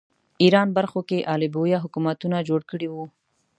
ایران برخو کې آل بویه حکومتونه جوړ کړي وو